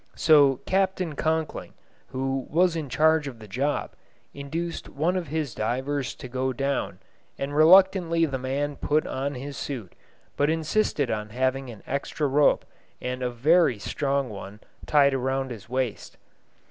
So Captain Conkling, who was in charge of the job, induced one of his divers to go down, and reluctantly the man put on his suit, but insisted on having an extra rope, and a very strong one, tied around his waist.